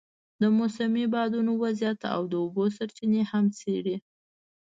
د موسمي بادونو وضعیت او د اوبو سرچینې هم څېړي.